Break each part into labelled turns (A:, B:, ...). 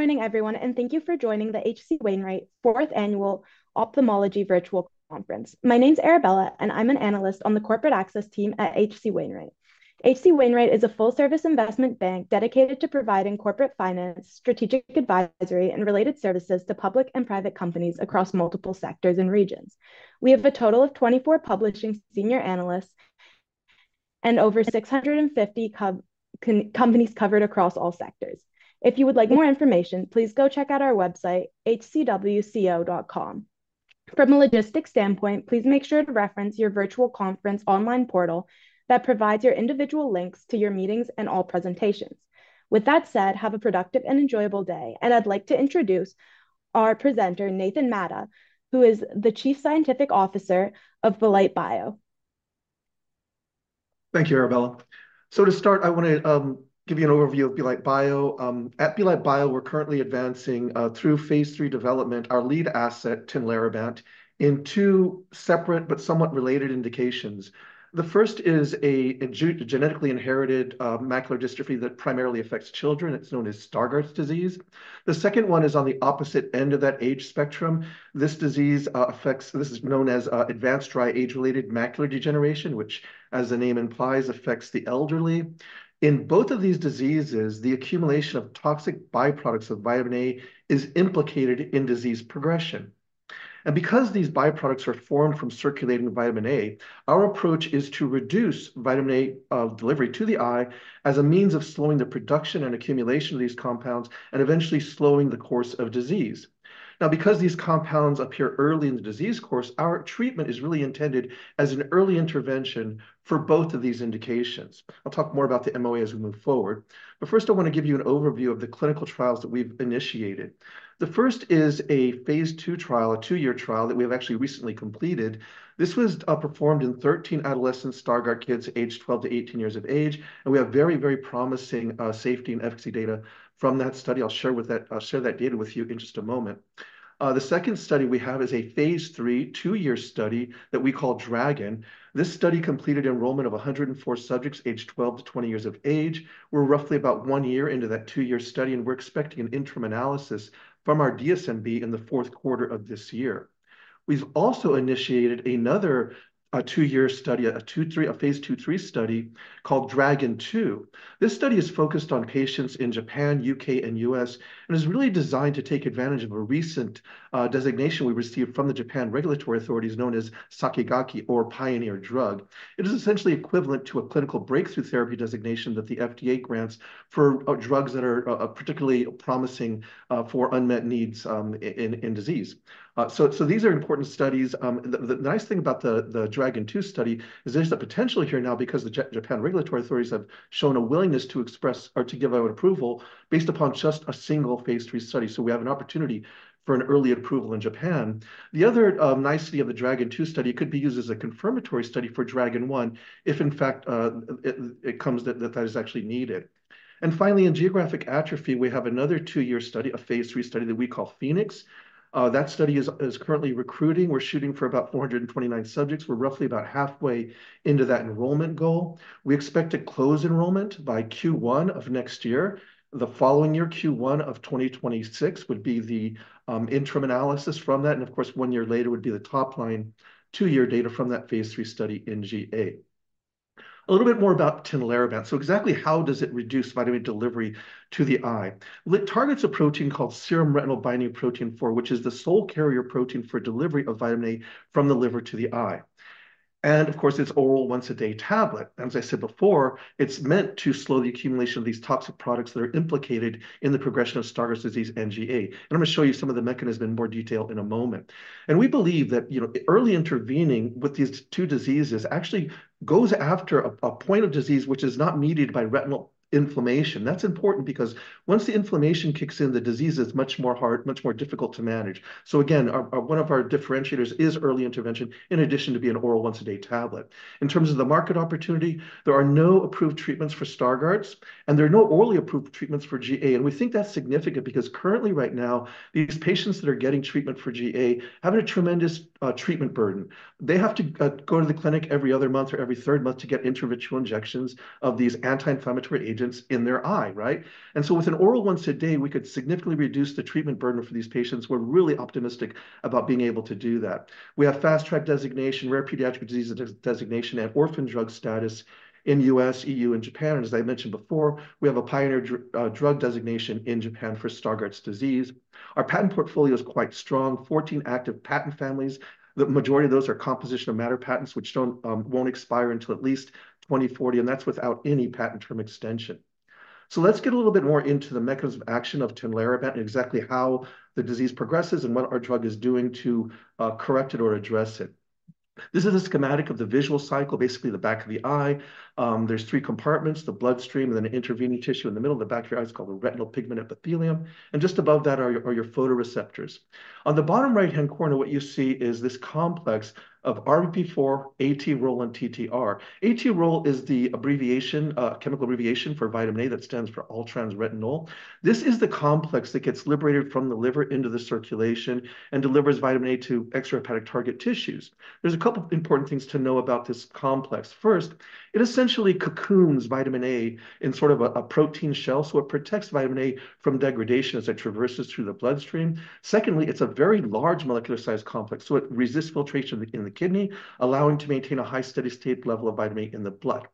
A: Good morning, everyone, and thank you for joining the H.C. Wainwright Fourth Annual Ophthalmology Virtual Conference. My name's Arabella, and I'm an analyst on the corporate access team at H.C. Wainwright. H.C. Wainwright is a full-service investment bank dedicated to providing corporate finance, strategic advisory, and related services to public and private companies across multiple sectors and regions. We have a total of 24 publishing senior analysts and over 650 companies covered across all sectors. If you would like more information, please go check out our website, hcwco.com. From a logistics standpoint, please make sure to reference your virtual conference online portal that provides your individual links to your meetings and all presentations. With that said, have a productive and enjoyable day, and I'd like to introduce our presenter, Nathan Mata, who is the Chief Scientific Officer of Belite Bio.
B: Thank you, Arabella. To start, I wanna give you an overview of Belite Bio. At Belite Bio, we're currently advancing through phase III development, our lead asset, Tinlarebant, in two separate but somewhat related indications. The first is a genetically inherited macular dystrophy that primarily affects children. It's known as Stargardt disease. The second one is on the opposite end of that age spectrum. This disease, this is known as advanced dry age-related macular degeneration, which, as the name implies, affects the elderly. In both of these diseases, the accumulation of toxic byproducts of vitamin A is implicated in disease progression. Because these byproducts are formed from circulating vitamin A, our approach is to reduce vitamin A delivery to the eye as a means of slowing the production and accumulation of these compounds, and eventually slowing the course of disease. Now, because these compounds appear early in the disease course, our treatment is really intended as an early intervention for both of these indications. I'll talk more about the MOA as we move forward, but first, I wanna give you an overview of the clinical trials that we've initiated. The first is a Phase II trial, a 2-year trial that we have actually recently completed. This was performed in 13 adolescent Stargardt kids, aged 12 to 18 years of age, and we have very, very promising safety and efficacy data from that study. I'll share with that- I'll share that data with you in just a moment. The second study we have is a phase III, 2-year study that we call DRAGON. This study completed enrollment of 104 subjects, aged 12 to 20 years of age. We're roughly about 1 year into that 2-year study, and we're expecting an interim analysis from our DSMB in the fourth quarter of this year. We've also initiated another 2-year study, a phase II/III study called DRAGON2. This study is focused on patients in Japan, U.K., and U.S., and is really designed to take advantage of a recent designation we received from the Japan regulatory authorities, known as Sakigake or pioneer drug. It is essentially equivalent to a clinical breakthrough therapy designation that the FDA grants for drugs that are particularly promising for unmet needs in disease. So these are important studies. The nice thing about the DRAGON2 study is there's the potential here now because the Japan regulatory authorities have shown a willingness to express or to give out approval based upon just a single phase III study, so we have an opportunity for an early approval in Japan. The other nicety of the DRAGON2 study, it could be used as a confirmatory study for DRAGON1, if in fact it comes that that is actually needed. And finally, in geographic atrophy, we have another two-year study, a phase III study that we call PHOENIX. That study is currently recruiting. We're shooting for about 429 subjects. We're roughly about halfway into that enrollment goal. We expect to close enrollment by Q1 of next year. The following year, Q1 of 2026, would be the interim analysis from that, and of course, one year later would be the top line 2-year data from that phase 3 study in GA. A little bit more about Tinlarebant. So exactly how does it reduce vitamin delivery to the eye? Well, it targets a protein called serum retinol binding protein 4, which is the sole carrier protein for delivery of vitamin A from the liver to the eye, and of course, it's oral once-a-day tablet. As I said before, it's meant to slow the accumulation of these toxic products that are implicated in the progression of Stargardt disease and GA. And I'm gonna show you some of the mechanism in more detail in a moment. We believe that, you know, early intervening with these two diseases actually goes after a point of disease which is not mediated by retinal inflammation. That's important because once the inflammation kicks in, the disease is much more hard, much more difficult to manage. So again, our one of our differentiators is early intervention, in addition to being an oral once-a-day tablet. In terms of the market opportunity, there are no approved treatments for Stargardt's, and there are no orally approved treatments for GA, and we think that's significant because currently, right now, these patients that are getting treatment for GA have a tremendous treatment burden. They have to go to the clinic every other month or every third month to get intravitreal injections of these anti-inflammatory agents in their eye, right? So with an oral once a day, we could significantly reduce the treatment burden for these patients. We're really optimistic about being able to do that. We have Fast Track designation, Rare Pediatric Disease designation, and orphan drug status in the U.S., EU, and Japan. And as I mentioned before, we have a pioneer drug designation in Japan for Stargardt disease. Our patent portfolio is quite strong, 14 active patent families. The majority of those are composition of matter patents, which won't expire until at least 2040, and that's without any patent term extension. So let's get a little bit more into the mechanism of action of Tinlarebant and exactly how the disease progresses and what our drug is doing to correct it or address it. This is a schematic of the visual cycle, basically the back of the eye. There's three compartments: the bloodstream, and then the intervening tissue in the middle of the back of your eye is called the retinal pigment epithelium, and just above that are your photoreceptors. On the bottom right-hand corner, what you see is this complex of RBP4, ATROL, and TTR. ATROL is the abbreviation, chemical abbreviation for vitamin A that stands for all-trans-retinol. This is the complex that gets liberated from the liver into the circulation and delivers vitamin A to extrahepatic target tissues. There's a couple of important things to know about this complex. First, it essentially cocoons vitamin A in sort of a protein shell, so it protects vitamin A from degradation as it traverses through the bloodstream. Secondly, it's a very large molecular size complex, so it resists filtration in the kidney, allowing to maintain a high, steady state level of vitamin A in the blood.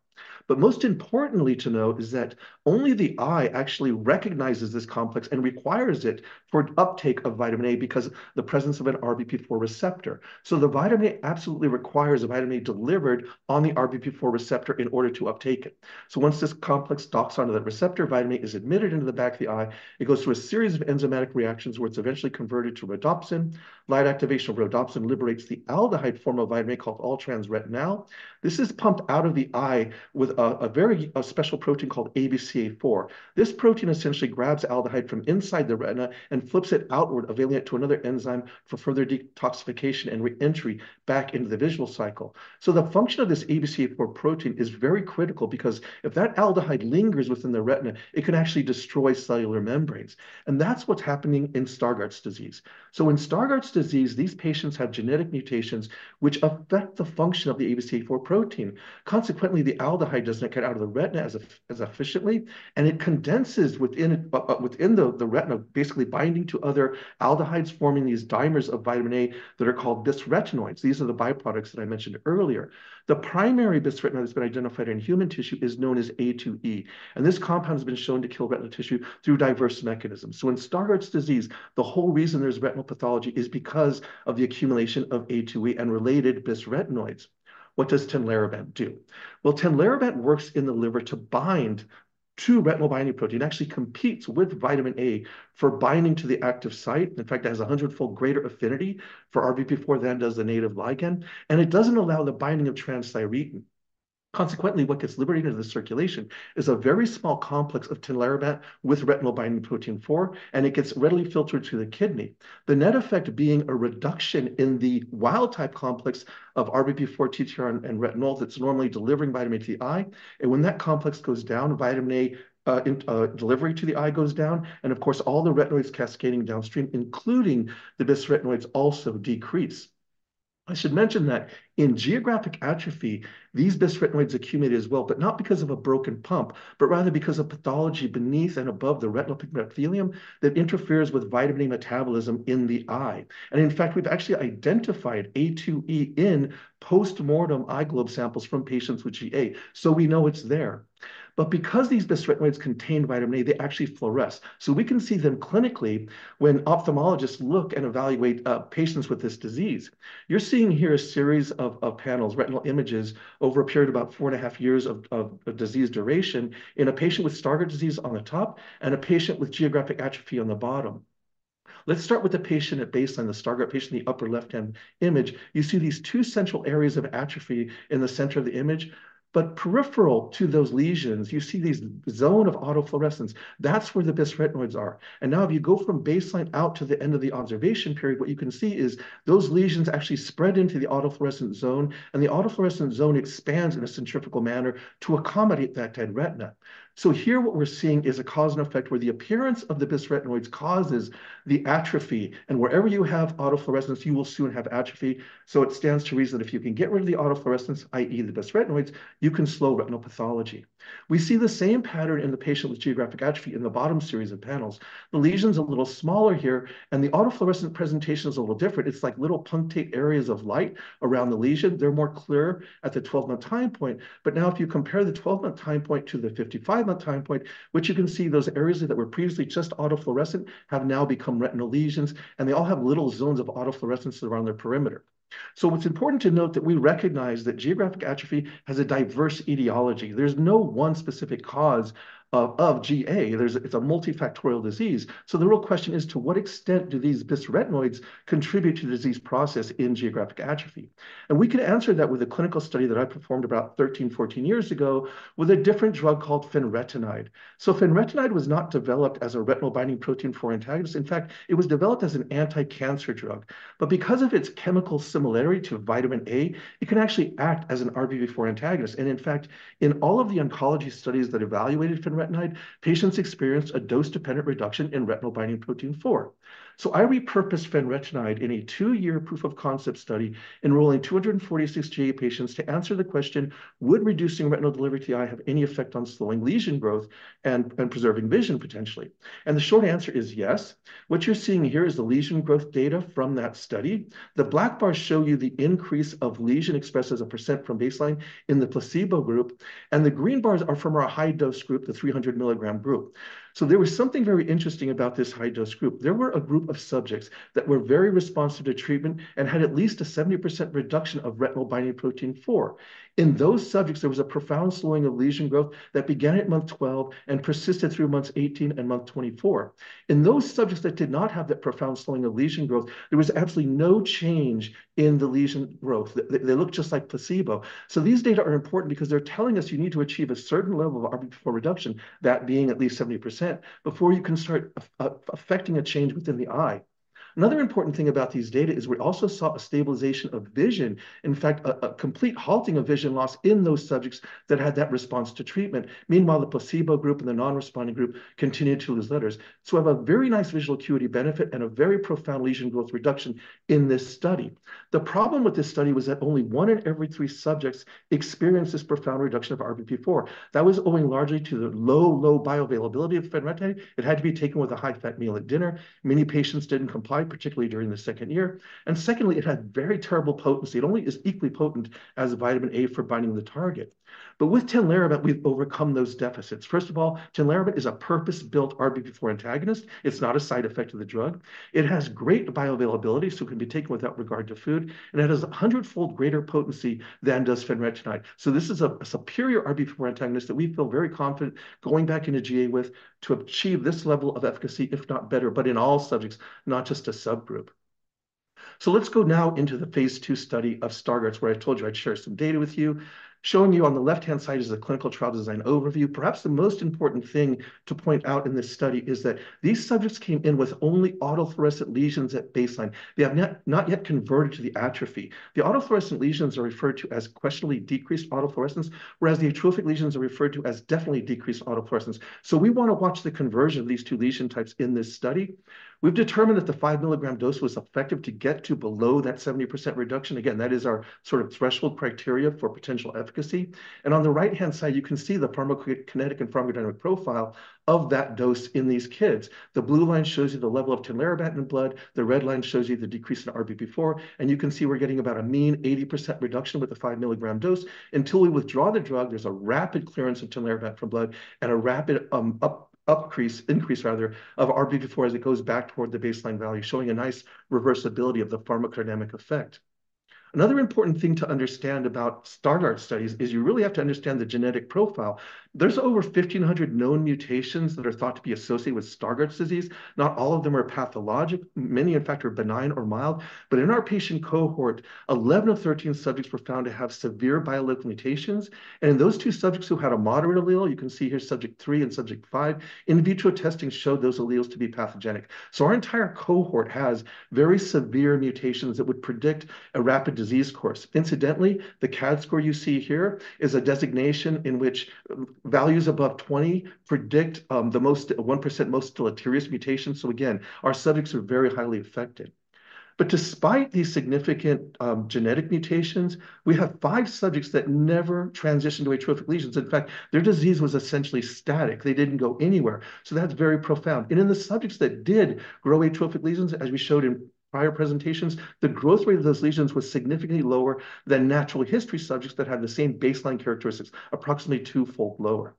B: But most importantly to note is that only the eye actually recognizes this complex and requires it for uptake of vitamin A because the presence of an RBP4 receptor. So the vitamin A absolutely requires a vitamin A delivered on the RBP4 receptor in order to uptake it. So once this complex docks onto that receptor, vitamin A is admitted into the back of the eye. It goes through a series of enzymatic reactions, where it's eventually converted to rhodopsin. Light activation of rhodopsin liberates the aldehyde form of vitamin A, called all-trans-retinal. This is pumped out of the eye with a very special protein called ABCA4. This protein essentially grabs aldehyde from inside the retina and flips it outward, availing it to another enzyme for further detoxification and re-entry back into the visual cycle. So the function of this ABCA4 protein is very critical because if that aldehyde lingers within the retina, it can actually destroy cellular membranes, and that's what's happening in Stargardt's disease. So in Stargardt's disease, these patients have genetic mutations which affect the function of the ABCA4 protein. Consequently, the aldehyde does not get out of the retina as efficiently, and it condenses within the retina, basically binding to other aldehydes, forming these dimers of vitamin A that are called bisretinoids. These are the byproducts that I mentioned earlier. The primary bisretinoid that's been identified in human tissue is known as A2E, and this compound has been shown to kill retinal tissue through diverse mechanisms. So in Stargardt disease, the whole reason there's retinal pathology is because of the accumulation of A2E and related bisretinoids. What does Tinlarebant do? Well, Tinlarebant works in the liver to bind to retinol binding protein, actually competes with vitamin A for binding to the active site. In fact, it has a 100-fold greater affinity for RBP4 than does the native ligand, and it doesn't allow the binding of transthyretin. Consequently, what gets liberated into the circulation is a very small complex of Tinlarebant with retinol binding protein 4, and it gets readily filtered to the kidney. The net effect being a reduction in the wild-type complex of RBP4, TTR, and retinol that's normally delivering vitamin A to the eye, and when that complex goes down, vitamin A delivery to the eye goes down, and of course, all the retinoids cascading downstream, including the bisretinoids, also decrease. I should mention that in geographic atrophy, these bisretinoids accumulate as well, but not because of a broken pump, but rather because of pathology beneath and above the retinal pigment epithelium that interferes with vitamin A metabolism in the eye. And in fact, we've actually identified A2E in post-mortem eye globe samples from patients with GA, so we know it's there. But because these bisretinoids contain vitamin A, they actually fluoresce. So we can see them clinically when ophthalmologists look and evaluate patients with this disease. You're seeing here a series of panels, retinal images, over a period of about 4.5 years of disease duration in a patient with Stargardt disease on the top and a patient with geographic atrophy on the bottom. Let's start with the patient at baseline, the Stargardt patient in the upper left-hand image. You see these two central areas of atrophy in the center of the image, but peripheral to those lesions, you see these zones of autofluorescence. That's where the bisretinoids are. And now, if you go from baseline out to the end of the observation period, what you can see is those lesions actually spread into the autofluorescent zone, and the autofluorescent zone expands in a centrifugal manner to accommodate that dead retina. So here, what we're seeing is a cause and effect where the appearance of the bisretinoids causes the atrophy, and wherever you have autofluorescence, you will soon have atrophy. So it stands to reason if you can get rid of the autofluorescence, i.e., the bisretinoids, you can slow retinal pathology. We see the same pattern in the patient with geographic atrophy in the bottom series of panels. The lesion's a little smaller here, and the autofluorescent presentation is a little different. It's like little punctate areas of light around the lesion. They're more clear at the 12-month time point. But now, if you compare the 12-month time point to the 55-month time point, which you can see those areas that were previously just autofluorescent, have now become retinal lesions, and they all have little zones of autofluorescence around their perimeter. So it's important to note that we recognize that geographic atrophy has a diverse etiology. There's no one specific cause of, of GA. There's, it's a multifactorial disease. So the real question is, to what extent do these bisretinoids contribute to the disease process in geographic atrophy? And we can answer that with a clinical study that I performed about 13, 14 years ago with a different drug called fenretinide. So fenretinide was not developed as a retinol binding protein 4 antagonist. In fact, it was developed as an anti-cancer drug. But because of its chemical similarity to vitamin A, it can actually act as an RBP4 antagonist. And in fact, in all of the oncology studies that evaluated fenretinide, patients experienced a dose-dependent reduction in retinol binding protein 4. So I repurposed fenretinide in a two-year proof of concept study, enrolling 246 GA patients to answer the question: Would reducing retinal delivery to the eye have any effect on slowing lesion growth and preserving vision, potentially? And the short answer is yes. What you're seeing here is the lesion growth data from that study. The black bars show you the increase of lesion expressed as a % from baseline in the placebo group, and the green bars are from our high-dose group, the 300 milligram group. So there was something very interesting about this high-dose group. There were a group of subjects that were very responsive to treatment and had at least a 70% reduction of retinol binding protein 4. In those subjects, there was a profound slowing of lesion growth that began at month 12 and persisted through months 18 and month 24. In those subjects that did not have that profound slowing of lesion growth, there was absolutely no change in the lesion growth. They looked just like placebo. So these data are important because they're telling us you need to achieve a certain level of RBP4 reduction, that being at least 70%, before you can start effecting a change within the eye. Another important thing about these data is we also saw a stabilization of vision, in fact, a complete halting of vision loss in those subjects that had that response to treatment. Meanwhile, the placebo group and the non-responding group continued to lose letters. So we have a very nice visual acuity benefit and a very profound lesion growth reduction in this study. The problem with this study was that only one in every three subjects experienced this profound reduction of RBP4. That was owing largely to the low, low bioavailability of fenretinide. It had to be taken with a high-fat meal at dinner. Many patients didn't comply, particularly during the second year. Secondly, it had very terrible potency. It only is equally potent as vitamin A for binding the target. But with Tinlarebant, we've overcome those deficits. First of all, Tinlarebant is a purpose-built RBP4 antagonist. It's not a side effect of the drug. It has great bioavailability, so it can be taken without regard to food, and it has a hundredfold greater potency than does fenretinide. So this is a superior RBP4 antagonist that we feel very confident going back into GA with to achieve this level of efficacy, if not better, but in all subjects, not just a subgroup. So let's go now into the phase 2 study of Stargardt's, where I told you I'd share some data with you. Showing you on the left-hand side is the clinical trial design overview. Perhaps the most important thing to point out in this study is that these subjects came in with only autofluorescent lesions at baseline. They have not, not yet converted to the atrophy. The autofluorescent lesions are referred to as questionably decreased autofluorescence, whereas the atrophic lesions are referred to as definitely decreased autofluorescence. So we wanna watch the conversion of these two lesion types in this study. We've determined that the 5-milligram dose was effective to get to below that 70% reduction. Again, that is our sort of threshold criteria for potential efficacy. And on the right-hand side, you can see the pharmacokinetic and pharmacodynamic profile of that dose in these kids. The blue line shows you the level of Tinlarebant in blood, the red line shows you the decrease in RBP4, and you can see we're getting about a mean 80% reduction with the 5-milligram dose. Until we withdraw the drug, there's a rapid clearance of Tinlarebant from blood and a rapid increase rather of RBP4 as it goes back toward the baseline value, showing a nice reversibility of the pharmacodynamic effect. Another important thing to understand about Stargardt studies is you really have to understand the genetic profile. There's over 1,500 known mutations that are thought to be associated with Stargardt disease. Not all of them are pathologic. Many, in fact, are benign or mild. But in our patient cohort, 11 of 13 subjects were found to have severe biallelic mutations, and in those two subjects who had a moderate allele, you can see here subject 3 and subject 5, in vitro testing showed those alleles to be pathogenic. So our entire cohort has very severe mutations that would predict a rapid disease course. Incidentally, the CADD score you see here is a designation in which values above 20 predict the most, 1% most deleterious mutations. So again, our subjects are very highly affected. But despite these significant genetic mutations, we have 5 subjects that never transitioned to atrophic lesions. In fact, their disease was essentially static. They didn't go anywhere, so that's very profound. And in the subjects that did grow atrophic lesions, as we showed in prior presentations, the growth rate of those lesions was significantly lower than natural history subjects that had the same baseline characteristics, approximately twofold lower.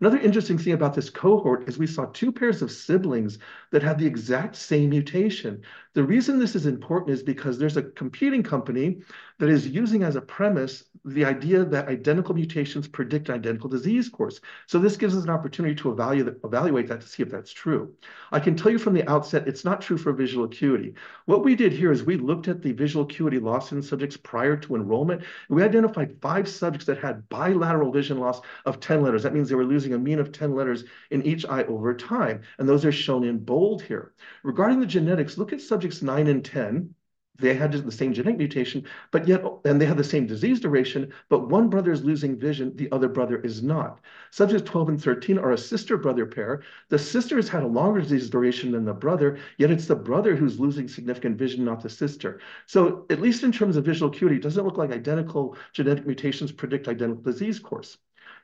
B: Another interesting thing about this cohort is we saw 2 pairs of siblings that had the exact same mutation. The reason this is important is because there's a competing company that is using as a premise the idea that identical mutations predict identical disease course. So this gives us an opportunity to evaluate that to see if that's true. I can tell you from the outset, it's not true for visual acuity. What we did here is we looked at the visual acuity loss in subjects prior to enrollment. We identified 5 subjects that had bilateral vision loss of 10 letters. That means they were losing a mean of 10 letters in each eye over time, and those are shown in bold here. Regarding the genetics, look at subjects 9 and 10. They had the same genetic mutation, but yet... and they had the same disease duration, but one brother is losing vision, the other brother is not. Subjects 12 and 13 are a sister-brother pair. The sister has had a longer disease duration than the brother, yet it's the brother who's losing significant vision, not the sister. So at least in terms of visual acuity, it doesn't look like identical genetic mutations predict identical disease course.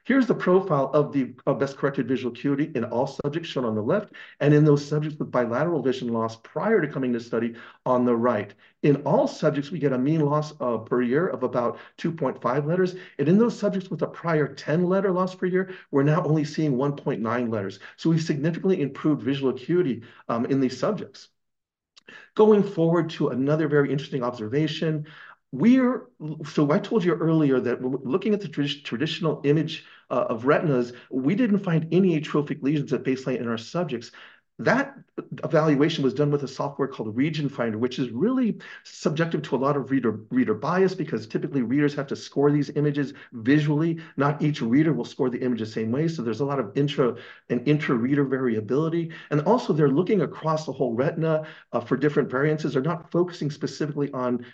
B: Here's the profile of best-corrected visual acuity in all subjects shown on the left, and in those subjects with bilateral vision loss prior to coming to study on the right. In all subjects, we get a mean loss per year of about 2.5 letters, and in those subjects with a prior 10-letter loss per year, we're now only seeing 1.9 letters. So we've significantly improved visual acuity in these subjects. Going forward to another very interesting observation, so I told you earlier that looking at the traditional image of retinas, we didn't find any atrophic lesions at baseline in our subjects. That evaluation was done with a software called RegionFinder, which is really subjective to a lot of reader bias, because typically, readers have to score these images visually. Not each reader will score the image the same way, so there's a lot of intra and intra-reader variability. And also, they're looking across the whole retina for different variances. They're not focusing specifically on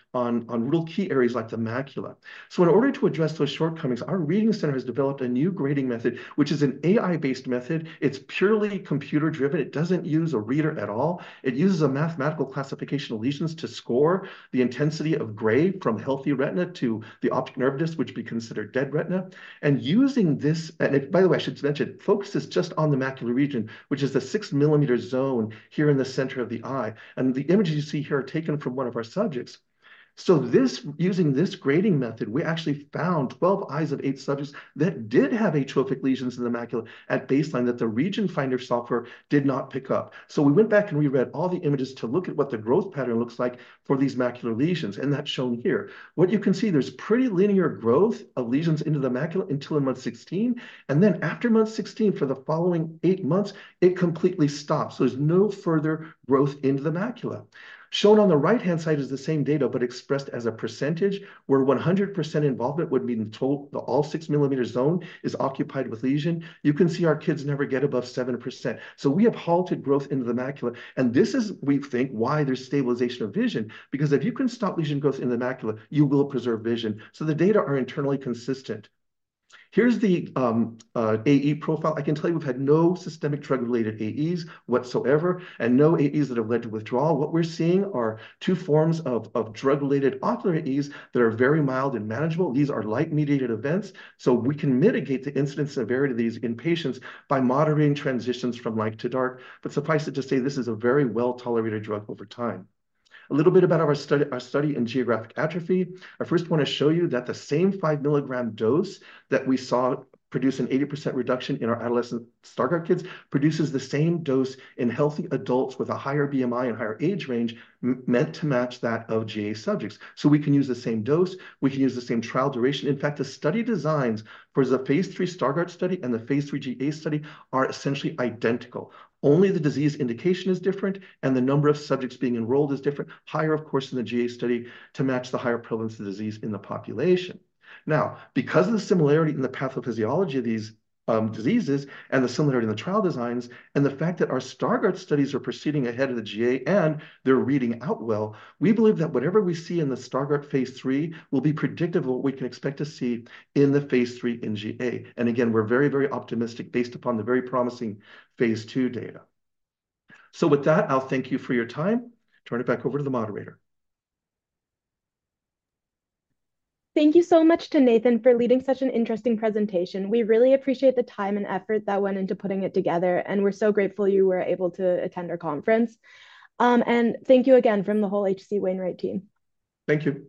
B: real key areas like the macula. So in order to address those shortcomings, our reading center has developed a new grading method, which is an AI-based method. It's purely computer-driven. It doesn't use a reader at all. It uses a mathematical classification of lesions to score the intensity of gray from healthy retina to the optic nerve disk, which we consider dead retina. And using this... And by the way, I should mention, focuses just on the macular region, which is the 6-millimeter zone here in the center of the eye, and the images you see here are taken from one of our subjects. So this, using this grading method, we actually found 12 eyes of 8 subjects that did have atrophic lesions in the macula at baseline that the RegionFinder software did not pick up. So we went back and reread all the images to look at what the growth pattern looks like for these macular lesions, and that's shown here. What you can see, there's pretty linear growth of lesions into the macula until in month 16, and then after month 16, for the following 8 months, it completely stops. So there's no further growth into the macula. Shown on the right-hand side is the same data, but expressed as a percentage, where 100% involvement would mean the total, the all 6 millimeter zone is occupied with lesion. You can see our kids never get above 7%. So we have halted growth into the macula, and this is, we think, why there's stabilization of vision. Because if you can stop lesion growth in the macula, you will preserve vision. So the data are internally consistent. Here's the AE profile. I can tell you we've had no systemic drug-related AEs whatsoever, and no AEs that have led to withdrawal. What we're seeing are two forms of drug-related ocular AEs that are very mild and manageable. These are light-mediated events, so we can mitigate the incidence severity of these in patients by moderating transitions from light to dark. But suffice it to say, this is a very well-tolerated drug over time. A little bit about our study, our study in geographic atrophy. I first wanna show you that the same 5-milligram dose that we saw produce an 80% reduction in our adolescent Stargardt kids produces the same dose in healthy adults with a higher BMI and higher age range, meant to match that of GA subjects. So we can use the same dose, we can use the same trial duration. In fact, the study designs for the phase 3 Stargardt study and the phase 3 GA study are essentially identical. Only the disease indication is different, and the number of subjects being enrolled is different. Higher, of course, than the GA study to match the higher prevalence of disease in the population. Now, because of the similarity in the pathophysiology of these diseases and the similarity in the trial designs, and the fact that our Stargardt studies are proceeding ahead of the GA, and they're reading out well, we believe that whatever we see in the Stargardt phase 3 will be predictive of what we can expect to see in the phase 3 in GA. And again, we're very, very optimistic, based upon the very promising phase 2 data. So with that, I'll thank you for your time. Turn it back over to the moderator.
A: Thank you so much to Nathan for leading such an interesting presentation. We really appreciate the time and effort that went into putting it together, and we're so grateful you were able to attend our conference. And thank you again from the whole H.C. Wainwright team.
B: Thank you.